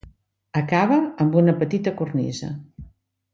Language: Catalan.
Acaba amb una petita cornisa.